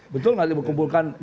betul nggak dikumpulkan